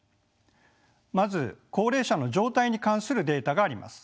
まず高齢者の状態に関するデータがあります。